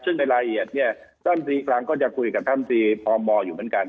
ซึ่งในรายละเอียดเนี่ยท่านตรีคลังก็จะคุยกับท่านตรีพมอยู่เหมือนกัน